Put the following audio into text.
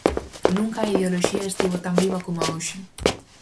Nunca a ideoloxía estivo tan viva coma hoxe.